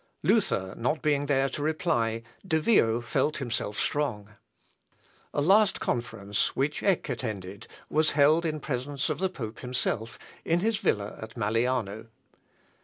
Luther not being there to reply, De Vio felt himself strong. A last conference, which Eck attended, was held in presence of the pope himself, in his villa at Malliano.